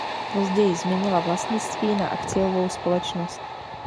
Později změnila vlastnictví na akciovou společnost.